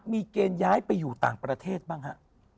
มีเกณฑ์ย้ายไปอยู่ต่างประเทศบ้างฮะ